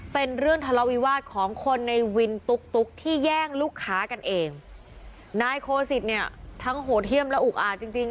เป็นเรื่องทะเลาวิวาสของคนในวินตุ๊กตุ๊กที่แย่งลูกค้ากันเองนายโคสิตเนี่ยทั้งโหดเยี่ยมและอุกอาจจริงจริง